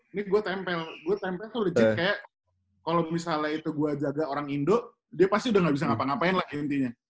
ini gue tempel gue tempel tuh legit kayak kalau misalnya itu gue jaga orang indo dia pasti udah gak bisa ngapa ngapain lah intinya